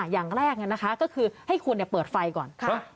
อย่างแรกก็คือให้คุณเปิดไฟก่อน